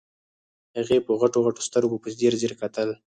هغې په غټو غټو سترګو په ځير ځير کتل.